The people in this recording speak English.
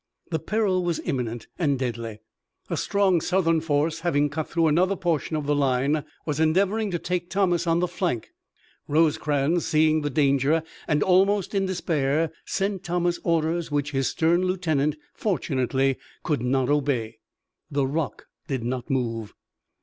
The peril was imminent and deadly. A strong Southern force, having cut through another portion of the line, was endeavoring to take Thomas on the flank. Rosecrans, seeing the danger and almost in despair, sent Thomas orders which his stern lieutenant fortunately could not obey. The rock did not move.